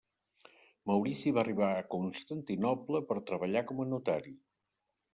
Maurici va arribar a Constantinoble per treballar com a notari.